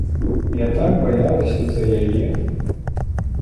Я так баялася за яе.